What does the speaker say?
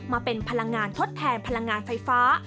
มาเป็นพลังงานทดแทนพลังงานไฟฟ้า